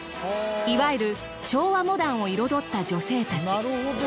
いわゆる昭和モダンを彩った女性たち。